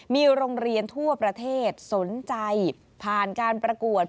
มีโรงเรียนทั่วประเทศสนใจผ่านการประกวด